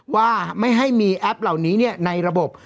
ว่าไม่ให้มีแอปเหล่านี้ในระบบ